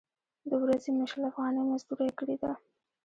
د ورځې مې شل افغانۍ مزدورۍ کړې ده.